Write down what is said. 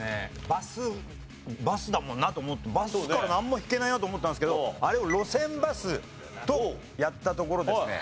バスバスだもんなと思ってバスからなんも引けないなと思ったんですけどあれを「路線バス」とやったところですね